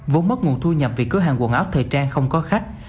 vốn mất nguồn thu nhập vì cửa hàng quần áo thời trang không có khách